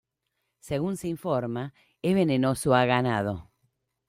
Según se informa, es venenoso a ganado.